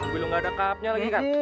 belum gak ada kapnya lagi kan